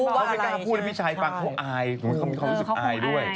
เขาไม่กล้าพูดพี่ชายฟังเขาอายเหมือนเขารู้สึกอายด้วย